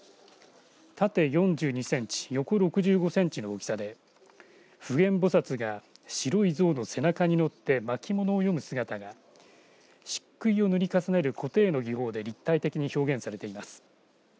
縦４２センチ横６５センチの大きさで普賢ぼさつが白い象の背中に乗って巻物を読む姿がしっくいを塗り重ねるこて絵の技法で立体的に表現されています。